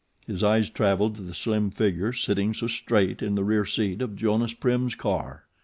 His eyes travelled to the slim figure sitting so straight in the rear seat of Jonas Prim's car.